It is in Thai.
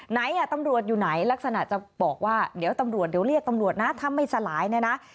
ไหนอ่ะตำรวจอยู่ไหนลักษณะจะบอกว่าเดี๋ยวตำรวจเดี๋ยวเรียกตำรวจนะถ้าไม่สลายเนี่ยนะ